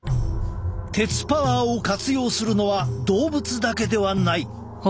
鉄パワーを活用するのは動物だけではない。